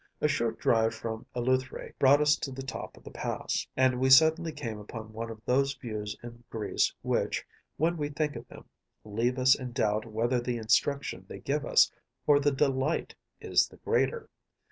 A short drive from Eleutheræ brought us to the top of the pass,(94) and we suddenly came upon one of those views in Greece which, when we think of them, leave us in doubt whether the instruction they give us, or the delight, is the greater.